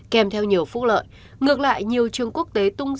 kèm theo nhiều phúc lợi